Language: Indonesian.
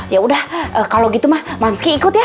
ya udah kalau gitu mah mamski ikut ya